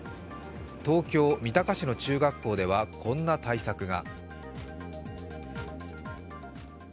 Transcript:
東京・三鷹市の中学校ではこんな対策が。